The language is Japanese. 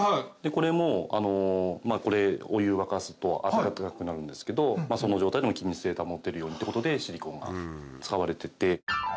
これもお湯沸かすと温かくなるんですけどその状態でも気密性保てるようにっていうことでシリコーンが使われてて。